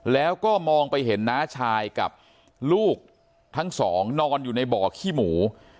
แล้วก็มองไปเห็นน้าชายกับลูกทั้งสองนอนอยู่ในบ่อขี้หมู